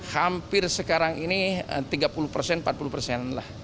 hampir sekarang ini tiga puluh persen empat puluh persen